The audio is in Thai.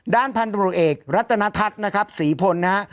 ด้านพันธุรกิจเอกรัฐนทัศน์นะครับศรีพลนะฮะ